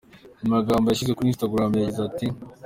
Mu magambo yashyize kuri Instagram yagize ati “.